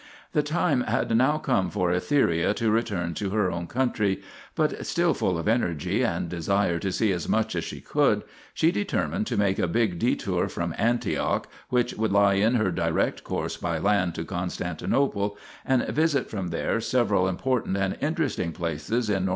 The time had now come for Etheria to return to her own country, but still full of energy and desire to see as much as she could, she determined to make a big detour from Antioch, which would lie in her direct course by land to Constantinople, and visit from there several important and interesting places in N. W.